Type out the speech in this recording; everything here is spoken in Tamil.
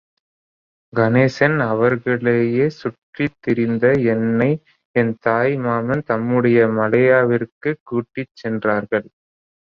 கணேசன் அவர்களையே சுற்றித் திரிந்த என்னை என் தாய் மாமன் தம்முடன் மலேயாவிற்குக் கூட்டிச் சென்றார்கள்.